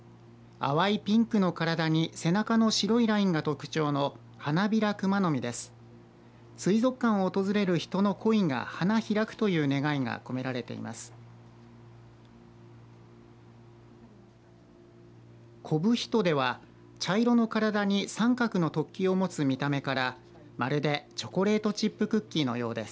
淡いピンクの体に背中の白いラインが特徴のハナビラクマノミです。